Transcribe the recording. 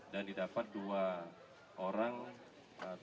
dan didapat dua orang tes urin